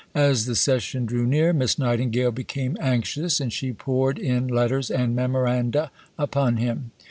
As the session drew near, Miss Nightingale became anxious and she poured in letters and memoranda upon him.